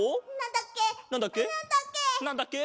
なんだっけ？